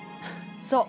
そう。